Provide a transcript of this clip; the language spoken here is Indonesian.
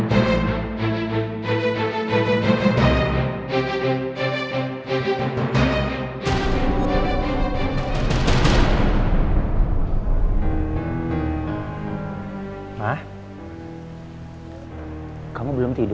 sekarang aku permisi pulang dulu